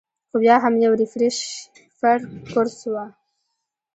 خو بيا هم يو ريفرېشر کورس وۀ -